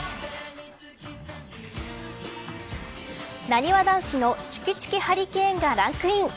なにわ男子のちゅきちゅきハリケーンがランクイン。